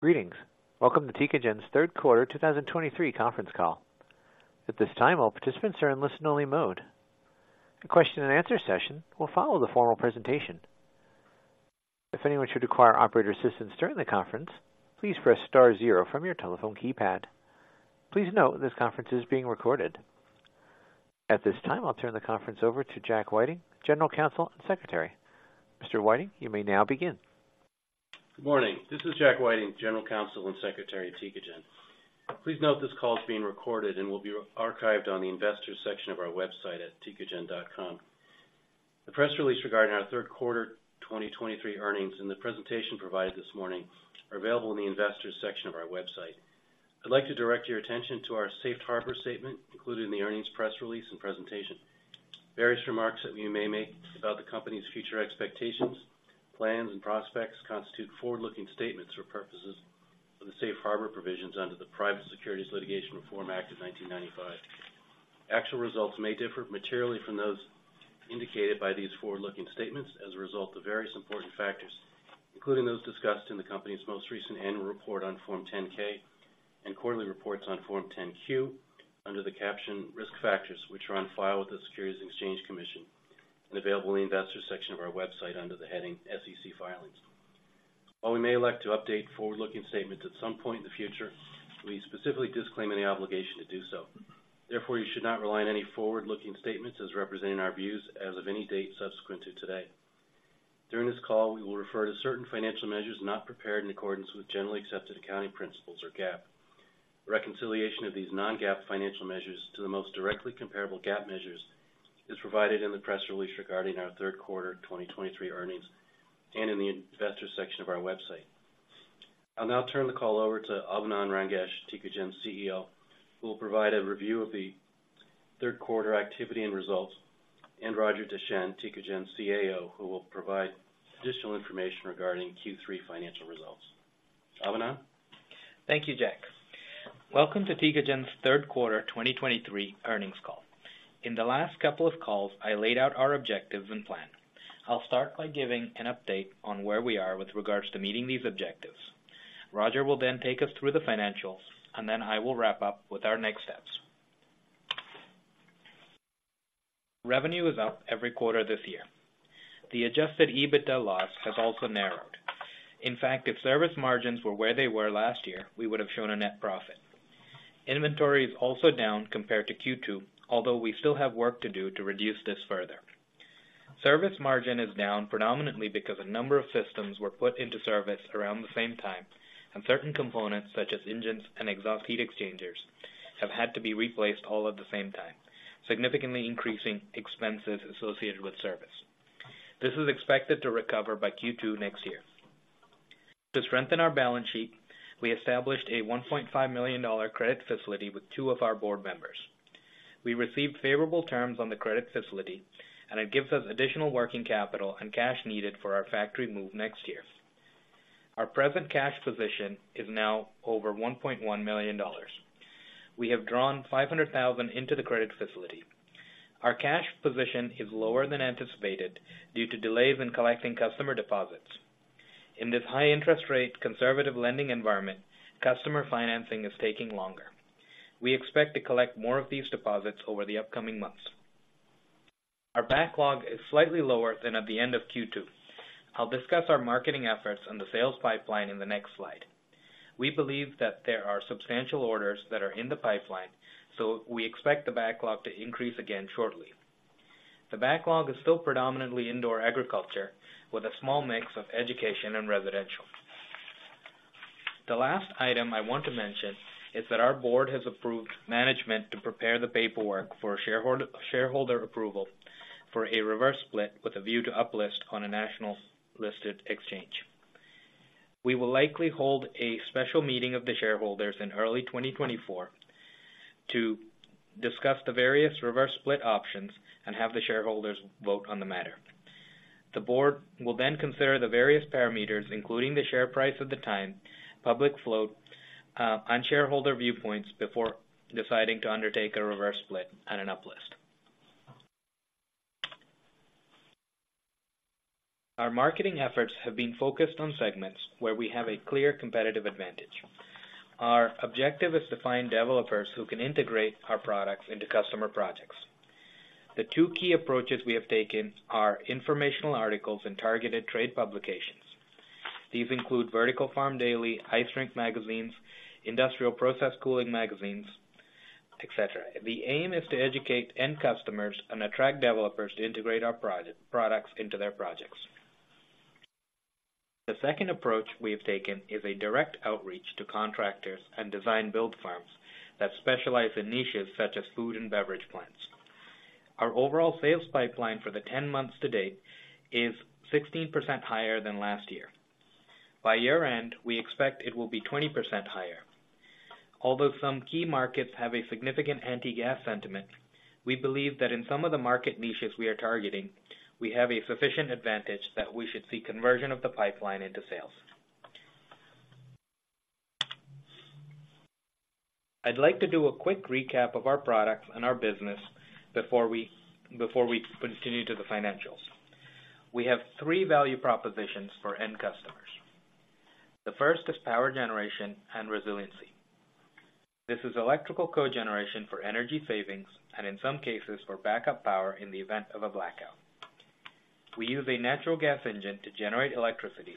Greetings. Welcome to Tecogen's Q3 2023 conference call. At this time, all participants are in listen-only mode. A question-and-answer session will follow the formal presentation. If anyone should require operator assistance during the conference, please press star zero from your telephone keypad. Please note, this conference is being recorded. At this time, I'll turn the conference over to Jack Whiting, General Counsel and Secretary. Mr. Whiting, you may now begin. Good morning. This is Jack Whiting, General Counsel and Secretary at Tecogen. Please note this call is being recorded and will be archived on the Investors section of our website at tecogen.com. The press release regarding our Q3 2023 earnings and the presentation provided this morning are available in the Investors section of our website. I'd like to direct your attention to our Safe Harbor statement included in the earnings press release and presentation. Various remarks that we may make about the company's future expectations, plans, and prospects constitute forward-looking statements for purposes of the Safe Harbor provisions under the Private Securities Litigation Reform Act of 1995. Actual results may differ materially from those indicated by these forward-looking statements as a result of various important factors, including those discussed in the company's most recent annual report on Form 10-K and quarterly reports on Form 10-Q under the caption Risk Factors, which are on file with the Securities and Exchange Commission and available in the Investors section of our website under the heading SEC Filings. While we may elect to update forward-looking statements at some point in the future, we specifically disclaim any obligation to do so. Therefore, you should not rely on any forward-looking statements as representing our views as of any date subsequent to today. During this call, we will refer to certain financial measures not prepared in accordance with Generally Accepted Accounting Principles, or GAAP. Reconciliation of these non-GAAP financial measures to the most directly comparable GAAP measures is provided in the press release regarding our Q3 2023 earnings and in the Investors section of our website. I'll now turn the call over to Abinand Rangesh, Tecogen's CEO, who will provide a review of the Q3 activity and results, and Roger Deschenes, Tecogen's CAO, who will provide additional information regarding Q3 financial results. Abinand? Thank you, Jack. Welcome to Tecogen's Q3 2023 earnings call. In the last couple of calls, I laid out our objectives and plan. I'll start by giving an update on where we are with regards to meeting these objectives. Roger will then take us through the financials, and then I will wrap up with our next steps. Revenue is up every quarter this year. The Adjusted EBITDA loss has also narrowed. In fact, if service margins were where they were last year, we would have shown a net profit. Inventory is also down compared to Q2, although we still have work to do to reduce this further. Service margin is down predominantly because a number of systems were put into service around the same time, and certain components, such as engines and exhaust heat exchangers, have had to be replaced all at the same time, significantly increasing expenses associated with service. This is expected to recover by Q2 next year. To strengthen our balance sheet, we established a $1.5 million credit facility with two of our board members. We received favorable terms on the credit facility, and it gives us additional working capital and cash needed for our factory move next year. Our present cash position is now over $1.1 million. We have drawn $500,000 into the credit facility. Our cash position is lower than anticipated due to delays in collecting customer deposits. In this high interest rate, conservative lending environment, customer financing is taking longer. We expect to collect more of these deposits over the upcoming months. Our backlog is slightly lower than at the end of Q2. I'll discuss our marketing efforts and the sales pipeline in the next slide. We believe that there are substantial orders that are in the pipeline, so we expect the backlog to increase again shortly. The backlog is still predominantly indoor agriculture, with a small mix of education and residential. The last item I want to mention is that our board has approved management to prepare the paperwork for shareholder approval for a reverse split with a view to uplist on a national listed exchange. We will likely hold a special meeting of the shareholders in early 2024 to discuss the various reverse split options and have the shareholders vote on the matter. The board will then consider the various parameters, including the share price at the time, public float, and shareholder viewpoints, before deciding to undertake a reverse split and an uplist. Our marketing efforts have been focused on segments where we have a clear competitive advantage. Our objective is to find developers who can integrate our products into customer projects. The two key approaches we have taken are informational articles and targeted trade publications. These include Vertical Farm Daily, High Strength magazines, Industrial Process Cooling magazines, et cetera. The aim is to educate end customers and attract developers to integrate our products into their projects. The second approach we have taken is a direct outreach to contractors and design-build firms that specialize in niches such as food and beverage plants. Our overall sales pipeline for the 10 months to date is 16% higher than last year. By year-end, we expect it will be 20% higher. Although some key markets have a significant anti-gas sentiment, we believe that in some of the market niches we are targeting, we have a sufficient advantage that we should see conversion of the pipeline into sales. I'd like to do a quick recap of our products and our business before we continue to the financials. We have three value propositions for end customers. The first is power generation and resiliency. This is electrical cogeneration for energy savings, and in some cases, for backup power in the event of a blackout. We use a natural gas engine to generate electricity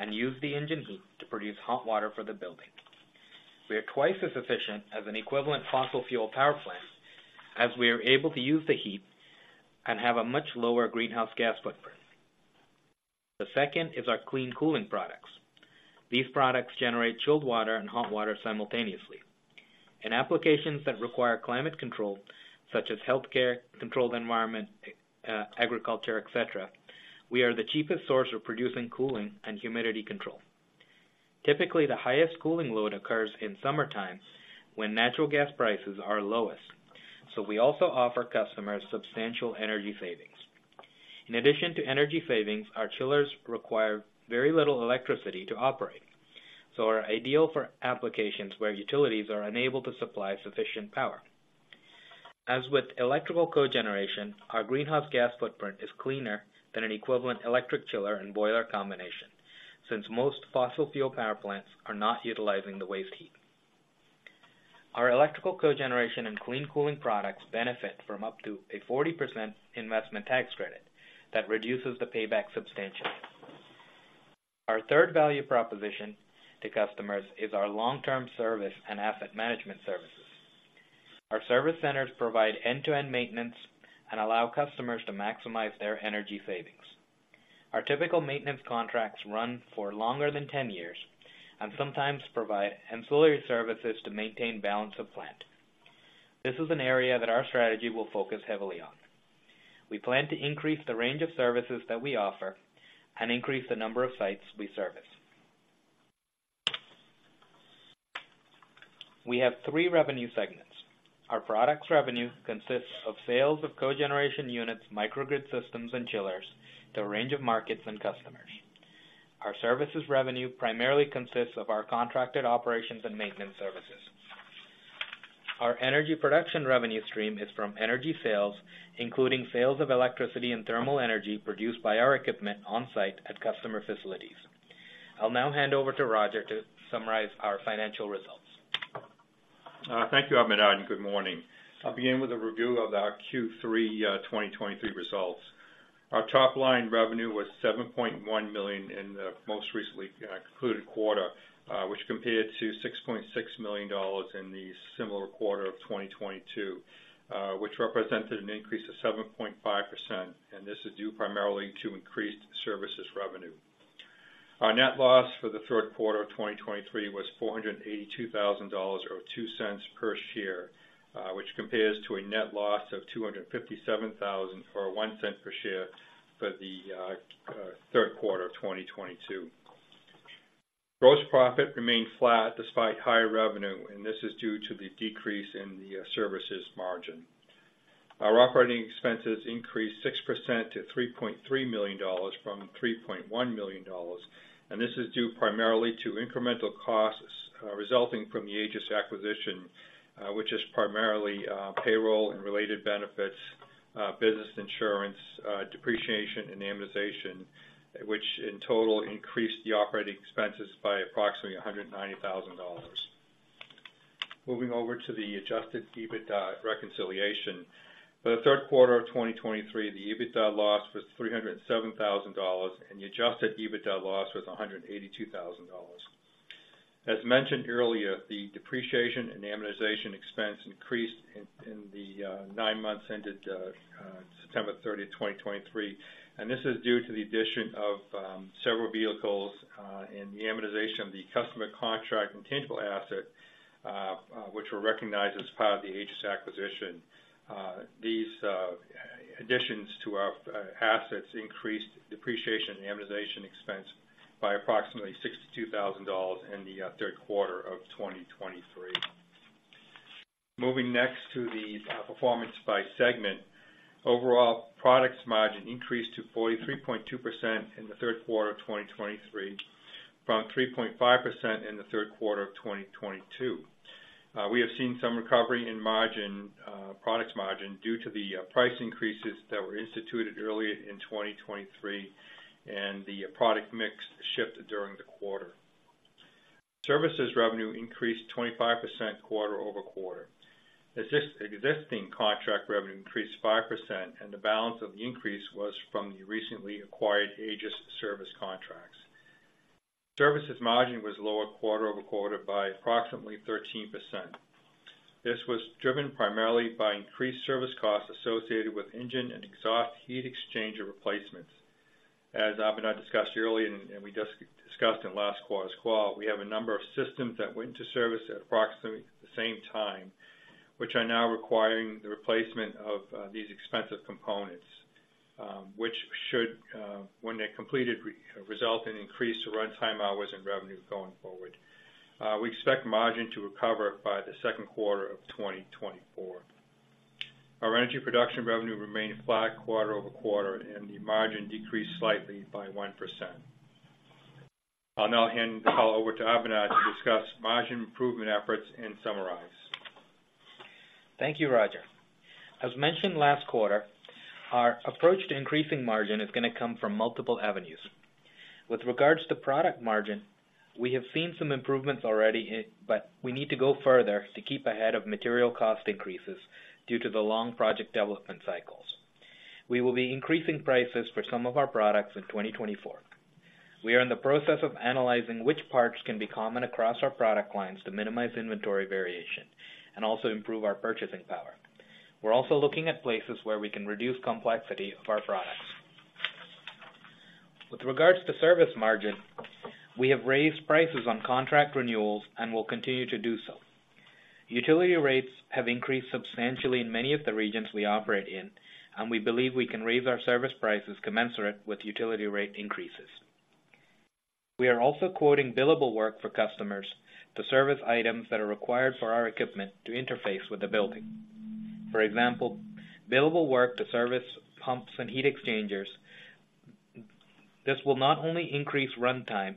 and use the engine heat to produce hot water for the building. We are twice as efficient as an equivalent fossil fuel power plant, as we are able to use the heat and have a much lower greenhouse gas footprint. The second is our clean cooling products. These products generate chilled water and hot water simultaneously. In applications that require climate control, such as healthcare, controlled environment agriculture, et cetera, we are the cheapest source of producing cooling and humidity control. Typically, the highest cooling load occurs in summertime, when natural gas prices are lowest, so we also offer customers substantial energy savings. In addition to energy savings, our chillers require very little electricity to operate, so are ideal for applications where utilities are unable to supply sufficient power. As with electrical cogeneration, our greenhouse gas footprint is cleaner than an equivalent electric chiller and boiler combination, since most fossil fuel power plants are not utilizing the waste heat. Our electrical cogeneration and clean cooling products benefit from up to 40% Investment Tax Credit that reduces the payback substantially. Our third value proposition to customers is our long-term service and asset management services. Our service centers provide end-to-end maintenance and allow customers to maximize their energy savings. Our typical maintenance contracts run for longer than 10 years and sometimes provide ancillary services to maintain balance of plant. This is an area that our strategy will focus heavily on. We plan to increase the range of services that we offer and increase the number of sites we service. We have three revenue segments. Our products revenue consists of sales of Cogeneration units, Microgrid Systems, and Chillers to a range of markets and customers. Our services revenue primarily consists of our contracted operations and maintenance services. Our energy production revenue stream is from energy sales, including sales of electricity and thermal energy produced by our equipment on-site at customer facilities. I'll now hand over to Roger to summarize our financial results. Thank you, Abinand, and good morning. I'll begin with a review of our Q3 2023 results. Our top-line revenue was $7.1 million in the most recently concluded quarter, which compared to $6.6 million in the similar quarter of 2022, which represented an increase of 7.5%, and this is due primarily to increased services revenue. Our net loss for the Q3 of 2023 was $482,000 or $0.02 per share, which compares to a net loss of $257,000, or $0.01 per share for the third quarter of 2022. Gross profit remained flat despite higher revenue, and this is due to the decrease in the services margin. Our operating expenses increased 6% to $3.3 million from $3.1 million, and this is due primarily to incremental costs resulting from the Aegis acquisition, which is primarily payroll and related benefits, business insurance, depreciation and amortization, which in total increased the operating expenses by approximately $190,000. Moving over to the Adjusted EBITDA reconciliation. For the Q3 of 2023, the EBITDA loss was $307,000, and the Adjusted EBITDA loss was $182,000. As mentioned earlier, the depreciation and amortization expense increased in the nine months ended September 30, 2023, and this is due to the addition of several vehicles and the amortization of the customer contract intangible asset which were recognized as part of the Aegis acquisition. These additions to our assets increased depreciation and amortization expense by approximately $62,000 in the Q3 of 2023. Moving next to the performance by segment. Overall, products margin increased to 43.2% in the third quarter of 2023, from 3.5% in the Q3 of 2022. We have seen some recovery in margin, products margin, due to the price increases that were instituted early in 2023 and the product mix shift during the quarter. Services revenue increased 25% quarter-over-quarter. Existing contract revenue increased 5%, and the balance of the increase was from the recently acquired Aegis service contracts. Services margin was lower quarter-over-quarter by approximately 13%. This was driven primarily by increased service costs associated with engine and exhaust heat exchanger replacements. As Abinand discussed earlier, and we just discussed in last quarter's call, we have a number of systems that went to service at approximately the same time, which are now requiring the replacement of these expensive components, which should, when they're completed, result in increased runtime hours and revenue going forward. We expect margin to recover by the second quarter of 2024. Our energy production revenue remained flat quarter-over-quarter, and the margin decreased slightly by 1%. I'll now hand the call over to Abinand to discuss margin improvement efforts and summarize. Thank you, Roger. As mentioned last quarter, our approach to increasing margin is gonna come from multiple avenues. With regards to product margin, we have seen some improvements already, but we need to go further to keep ahead of material cost increases due to the long project development cycles. We will be increasing prices for some of our products in 2024. We are in the process of analyzing which parts can be common across our product lines to minimize inventory variation and also improve our purchasing power. We're also looking at places where we can reduce complexity of our products. With regards to service margin, we have raised prices on contract renewals and will continue to do so. Utility rates have increased substantially in many of the regions we operate in, and we believe we can raise our service prices commensurate with utility rate increases. We are also quoting billable work for customers to service items that are required for our equipment to interface with the building. For example, billable work to service pumps and heat exchangers. This will not only increase runtime,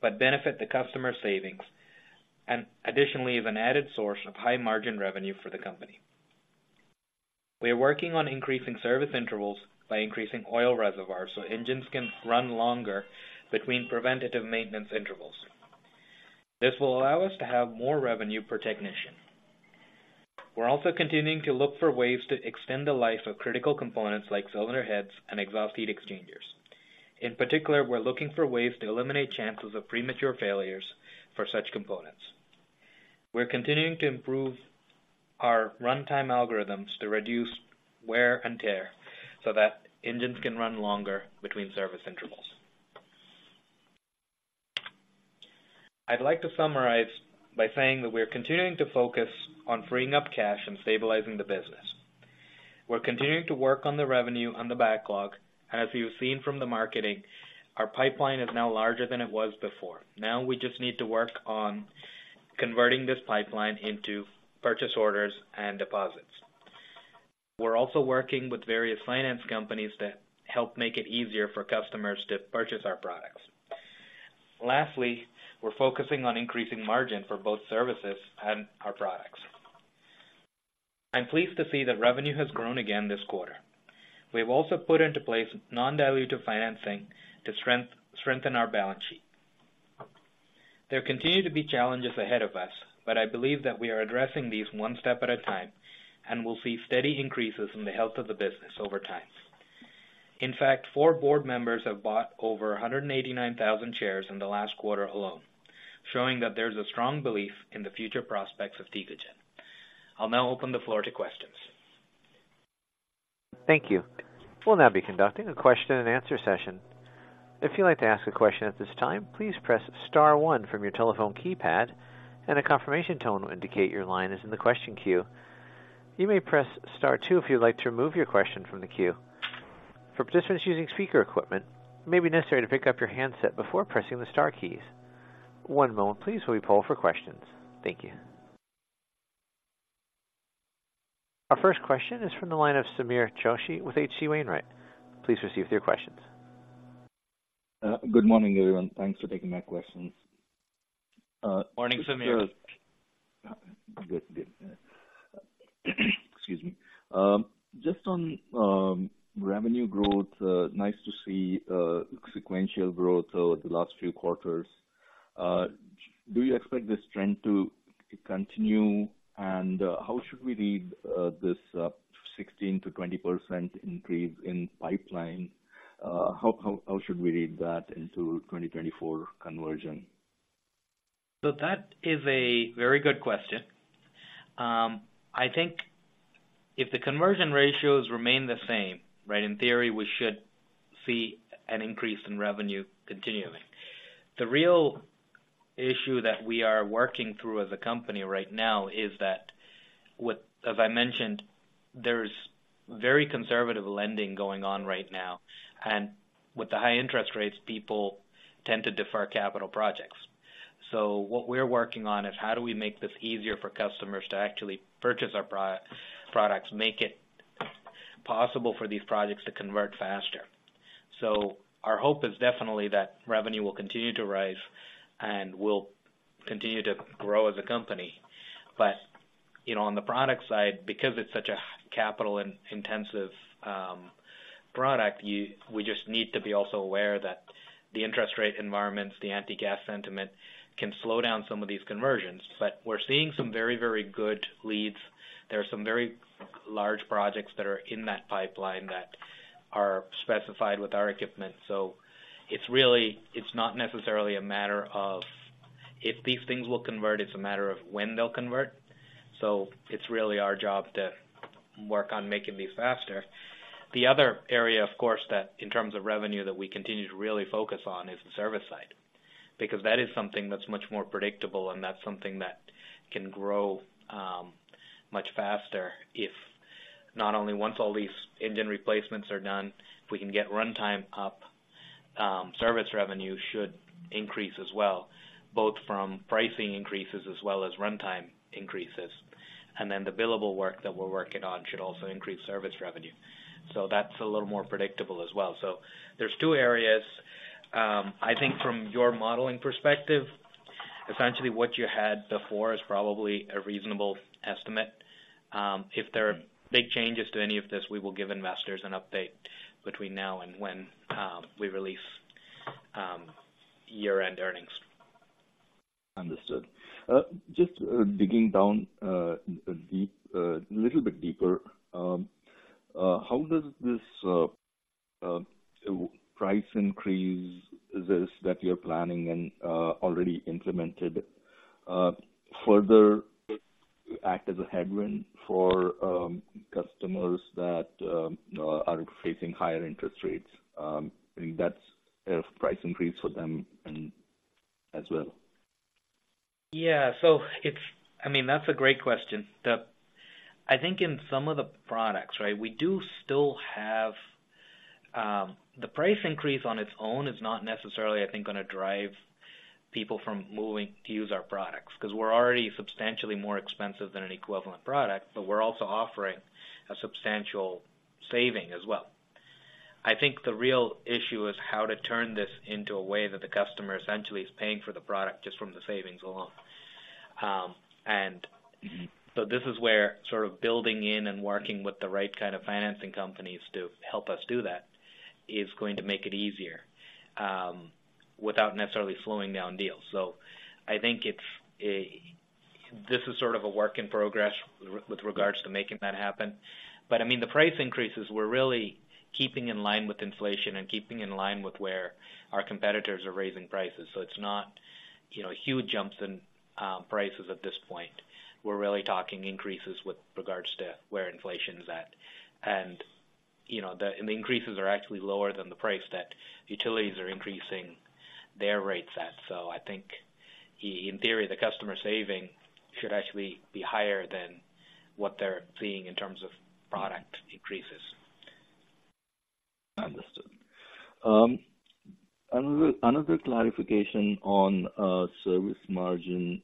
but benefit the customer savings, and additionally, is an added source of high margin revenue for the company. We are working on increasing service intervals by increasing oil reservoirs, so engines can run longer between preventative maintenance intervals. This will allow us to have more revenue per technician. We're also continuing to look for ways to extend the life of critical components like cylinder heads and exhaust heat exchangers. In particular, we're looking for ways to eliminate chances of premature failures for such components. We're continuing to improve our runtime algorithms to reduce wear and tear, so that engines can run longer between service intervals. I'd like to summarize by saying that we're continuing to focus on freeing up cash and stabilizing the business. We're continuing to work on the revenue on the backlog, and as you've seen from the marketing, our pipeline is now larger than it was before. Now, we just need to work on converting this pipeline into purchase orders and deposits. We're also working with various finance companies to help make it easier for customers to purchase our products. Lastly, we're focusing on increasing margin for both services and our products. I'm pleased to see that revenue has grown again this quarter. We've also put into place non-dilutive financing to strengthen our balance sheet. There continue to be challenges ahead of us, but I believe that we are addressing these one step at a time, and we'll see steady increases in the health of the business over time. In fact, four board members have bought over 189,000 shares in the last quarter alone, showing that there's a strong belief in the future prospects of Tecogen. I'll now open the floor to questions. Thank you. We'll now be conducting a question and answer session. If you'd like to ask a question at this time, please press star one from your telephone keypad, and a confirmation tone will indicate your line is in the question queue. You may press star two if you'd like to remove your question from the queue. For participants using speaker equipment, it may be necessary to pick up your handset before pressing the star keys. One moment please, while we poll for questions. Thank you. Our first question is from the line of Sameer Joshi with H.C. Wainwright. Please proceed with your questions. Good morning, everyone. Thanks for taking my questions. Morning, Sameer. Good. Good. Excuse me. Just on revenue growth, nice to see sequential growth over the last few quarters. Do you expect this trend to continue? And, how should we read this 16%-20% increase in pipeline? How should we read that into 2024 conversion? So that is a very good question. I think if the conversion ratios remain the same, right, in theory, we should see an increase in revenue continuing. The real issue that we are working through as a company right now is that with. As I mentioned, there's very conservative lending going on right now, and with the high interest rates, people tend to defer capital projects. So what we're working on is how do we make this easier for customers to actually purchase our products, make it possible for these projects to convert faster? So our hope is definitely that revenue will continue to rise, and we'll continue to grow as a company. But, you know, on the product side, because it's such a capital-intensive product, we just need to be also aware that the interest rate environments, the anti-gas sentiment, can slow down some of these conversions. But we're seeing some very, very good leads. There are some very large projects that are in that pipeline that are specified with our equipment. So it's really, it's not necessarily a matter of if these things will convert, it's a matter of when they'll convert. So it's really our job to work on making these faster. The other area, of course, that in terms of revenue, that we continue to really focus on, is the service side, because that is something that's much more predictable, and that's something that can grow much faster, if not only once all these engine replacements are done. If we can get runtime up, service revenue should increase as well, both from pricing increases as well as runtime increases. Then the billable work that we're working on should also increase service revenue. So that's a little more predictable as well. So there's two areas. I think from your modeling perspective, essentially what you had before is probably a reasonable estimate. If there are big changes to any of this, we will give investors an update between now and when we release year-end earnings. Understood. Just digging down deep a little bit deeper, how does this price increase that you're planning and already implemented further act as a headwind for customers that are facing higher interest rates? I think that's a price increase for them as well. Yeah. So it's—I mean, that's a great question. I think in some of the products, right, we do still have. The price increase on its own is not necessarily, I think, gonna drive people from moving to use our products, 'cause we're already substantially more expensive than an equivalent product, but we're also offering a substantial saving as well. I think the real issue is how to turn this into a way that the customer essentially is paying for the product just from the savings alone. And- Mm-hmm. So this is where sort of building in and working with the right kind of financing companies to help us do that is going to make it easier, without necessarily slowing down deals. So I think this is sort of a work in progress with regards to making that happen. But, I mean, the price increases, we're really keeping in line with inflation and keeping in line with where our competitors are raising prices. So it's not, you know, huge jumps in prices at this point. We're really talking increases with regards to where inflation is at. And, you know, and the increases are actually lower than the price that utilities are increasing their rates at. So I think, in theory, the customer saving should actually be higher than what they're seeing in terms of product increases. Understood. Another clarification on service margin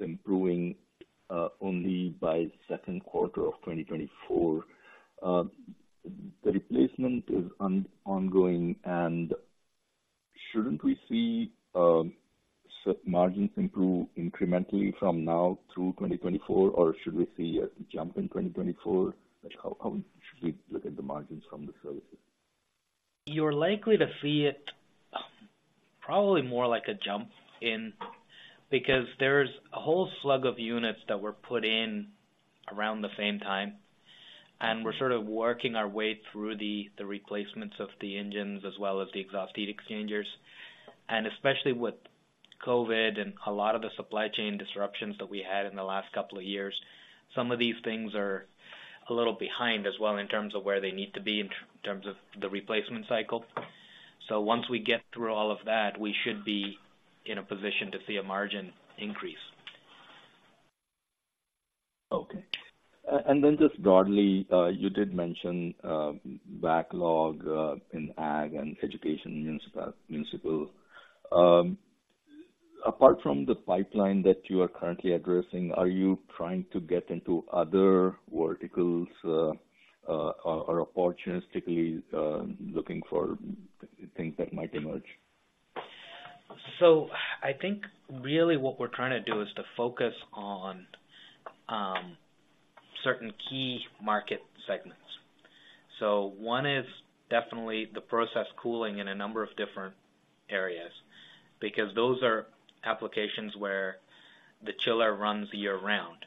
improving only by Q2 of 2024. The replacement is ongoing, and shouldn't we see margins improve incrementally from now through 2024, or should we see a jump in 2024? Like, how should we look at the margins from the services? You're likely to see it, probably more like a jump in, because there's a whole slug of units that were put in around the same time, and we're sort of working our way through the replacements of the engines as well as the exhaust heat exchangers. And especially with COVID and a lot of the supply chain disruptions that we had in the last couple of years, some of these things are a little behind as well in terms of where they need to be in terms of the replacement cycle. So once we get through all of that, we should be in a position to see a margin increase. Okay. And then just broadly, you did mention backlog in ag and education, municipal. Apart from the pipeline that you are currently addressing, are you trying to get into other verticals, or opportunistically looking for things that might emerge? So I think really what we're trying to do is to focus on certain key market segments. So one is definitely the process cooling in a number of different areas, because those are applications where the chiller runs year-round,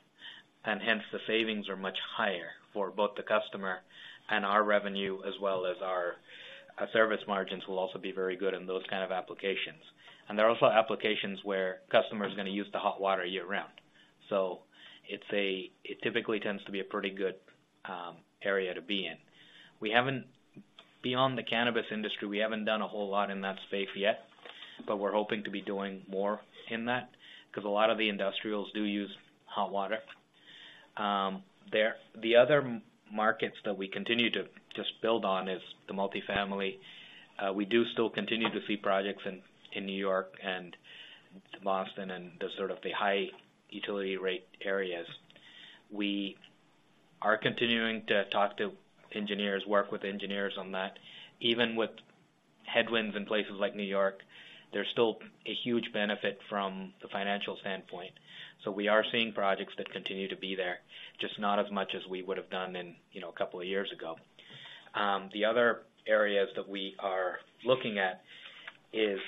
and hence, the savings are much higher for both the customer and our revenue, as well as our service margins will also be very good in those kind of applications. And there are also applications where customers are gonna use the hot water year-round. So it typically tends to be a pretty good area to be in. We haven't. Beyond the cannabis industry, we haven't done a whole lot in that space yet, but we're hoping to be doing more in that, 'cause a lot of the industrials do use hot water. The other markets that we continue to just build on is the multifamily. We do still continue to see projects in New York and Boston and the sort of high utility rate areas. We are continuing to talk to engineers, work with engineers on that. Even with headwinds in places like New York, there's still a huge benefit from the financial standpoint. So we are seeing projects that continue to be there, just not as much as we would have done in, you know, a couple of years ago. The other areas that we are looking at is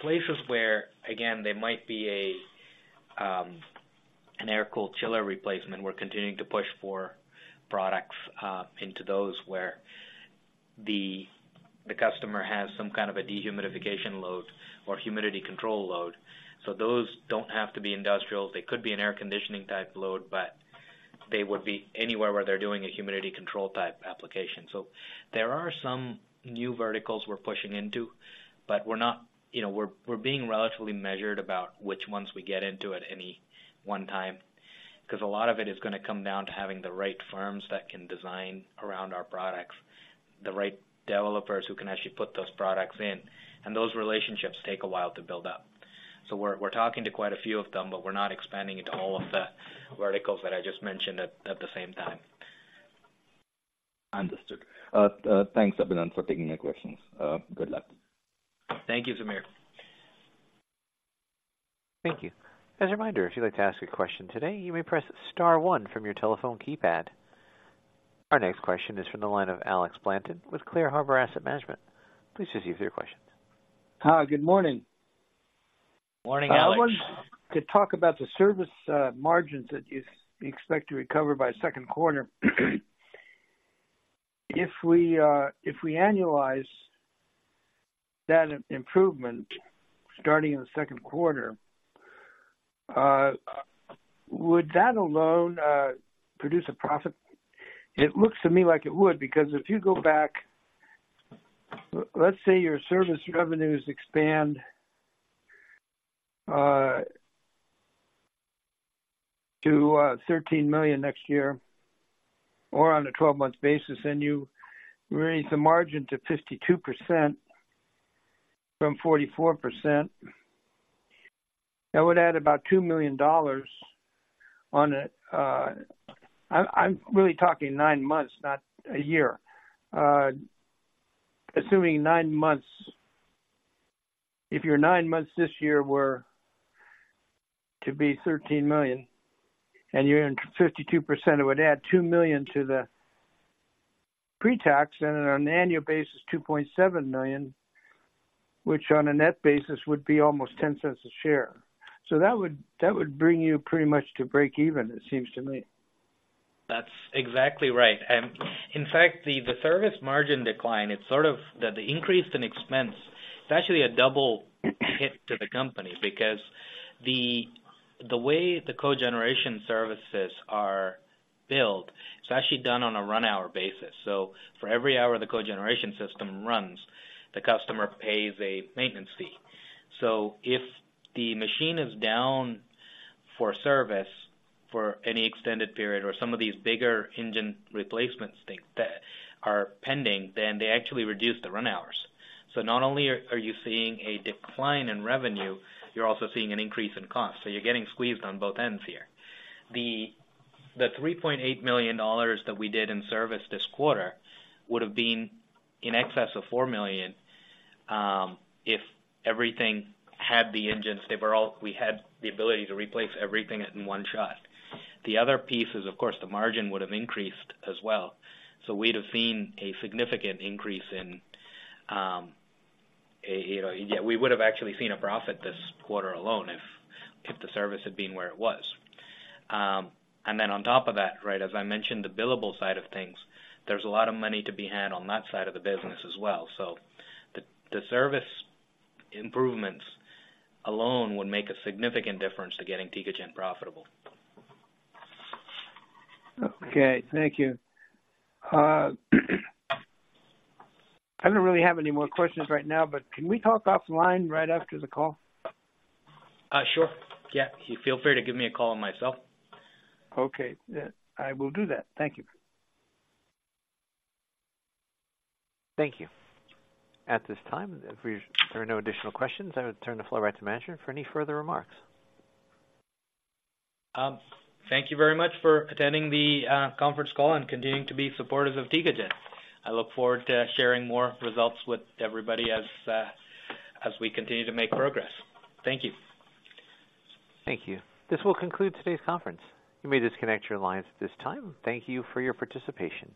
places where, again, there might be an air-cooled chiller replacement. We're continuing to push for products into those where the customer has some kind of a dehumidification load or humidity control load. So those don't have to be industrial. They could be an air conditioning type load, but they would be anywhere where they're doing a humidity control type application. So there are some new verticals we're pushing into, but we're not—you know, we're, we're being relatively measured about which ones we get into at any one time, 'cause a lot of it is gonna come down to having the right firms that can design around our products... the right developers who can actually put those products in, and those relationships take a while to build up. So we're, we're talking to quite a few of them, but we're not expanding into all of the verticals that I just mentioned at, at the same time. Understood. Thanks, Abinand, for taking my questions. Good luck. Thank you, Sameer. Thank you. As a reminder, if you'd like to ask a question today, you may press star one from your telephone keypad. Our next question is from the line of Alex Blanton with Clear Harbor Asset Management. Please proceed with your questions. Hi, good morning. Morning, Alex. I want to talk about the service margins that you expect to recover by second quarter. If we annualize that improvement starting in the Q2, would that alone produce a profit? It looks to me like it would, because if you go back, let's say your service revenues expand to $13 million next year, or on a 12-month basis, and you raise the margin to 52% from 44%. That would add about $2 million on it. I'm really talking nine months, not a year. Assuming nine months, if your nine months this year were to be $13 million and you're in 52%, it would add $2 million to the pretax, and on an annual basis, $2.7 million, which on a net basis would be almost $0.10 a share. So that would bring you pretty much to break even, it seems to me. That's exactly right. And in fact, the service margin decline, it's sort of that the increase in expense, it's actually a double hit to the company because the way the cogeneration services are billed, it's actually done on a run hour basis. So for every hour, the cogeneration system runs, the customer pays a maintenance fee. So if the machine is down for service for any extended period, or some of these bigger engine replacements things that are pending, then they actually reduce the run hours. So not only are you seeing a decline in revenue, you're also seeing an increase in costs. So you're getting squeezed on both ends here. The $3.8 million that we did in service this quarter would have been in excess of four million if everything had the engines, they were all - we had the ability to replace everything in one shot. The other piece is, of course, the margin would have increased as well. So we'd have seen a significant increase in, you know, we would have actually seen a profit this quarter alone if the service had been where it was. And then on top of that, right, as I mentioned, the billable side of things, there's a lot of money to be had on that side of the business as well. So the service improvements alone would make a significant difference to getting Tecogen profitable. Okay, thank you. I don't really have any more questions right now, but can we talk offline right after the call? Sure. Yeah, feel free to give me a call on my cell. Okay, yeah, I will do that. Thank you. Thank you. At this time, there are no additional questions, I would turn the floor back to management for any further remarks. Thank you very much for attending the conference call and continuing to be supportive of Tecogen. I look forward to sharing more results with everybody as we continue to make progress. Thank you. Thank you. This will conclude today's conference. You may disconnect your lines at this time. Thank you for your participation.